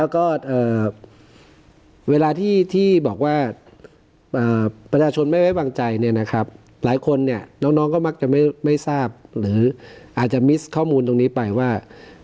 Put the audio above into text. แล้วก็เวลาที่บอกว่าประชาชนไม่ไว้วางใจเนี่ยนะครับหลายคนเนี่ยน้องก็มักจะไม่ทราบหรืออาจจะมิสต์ข้อมูลตรงนี้ไปว่า